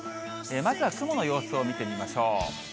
まずは雲の様子を見てみましょう。